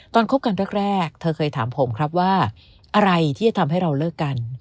คบกันแรกเธอเคยถามผมครับว่าอะไรที่จะทำให้เราเลิกกัน